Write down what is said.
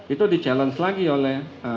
itu di challenge lagi oleh